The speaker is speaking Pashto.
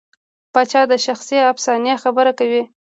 پاچا د شخصي افسانې خبره کوي.